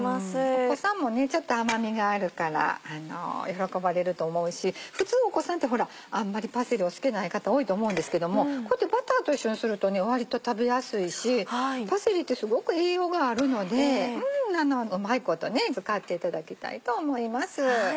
お子さんもちょっと甘味があるから喜ばれると思うし普通お子さんってほらあんまりパセリを好きでない方多いと思うんですけどもこうやってバターと一緒にすると割と食べやすいしパセリってすごく栄養があるのでうまいこと使っていただきたいと思います。